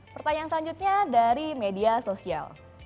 pertanyaan selanjutnya dari media sosial